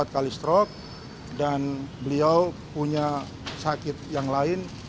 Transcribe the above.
empat kali strok dan beliau punya sakit yang lain